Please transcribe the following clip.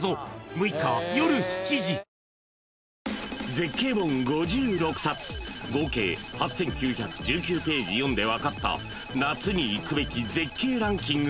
［絶景本５６冊合計８，９１９ページ読んで分かった夏に行くべき絶景ランキング